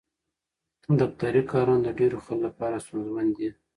دفتري کارونه د ډېرو خلکو لپاره ستونزمن دي.